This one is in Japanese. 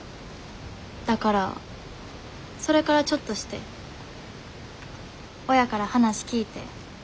だからそれからちょっとして親から話聞いて。